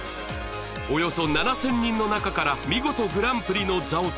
およそ７０００人の中から見事グランプリの座をつかんだのは